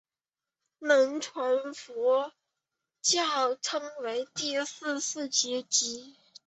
南传佛教称此为第四次结集。